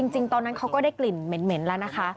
จริงตอนนั้นเขาก็ได้กลิ่นเหม็นแล้วนะคะ